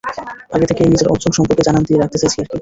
আগে থেকেই নিজের অর্জন সম্পর্কে জানান দিয়ে রাখতে চাইছি আরকি।